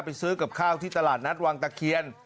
ซื้อกับข้าวที่ตลาดนัดวังตะเคียน